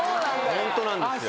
ホントなんですよ